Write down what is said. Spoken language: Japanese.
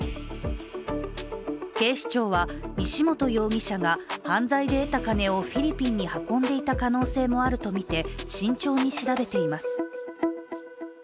警視庁は、西本容疑者が犯罪で得た金をフィリピンに運んでいた可能性もあるとみて慎重に調べています。